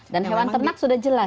dan hewan ternak sudah jelas